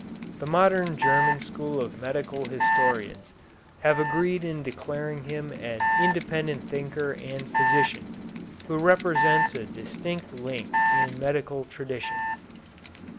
The modern German school of medical historians have agreed in declaring him an independent thinker and physician, who represents a distinct link in medical tradition.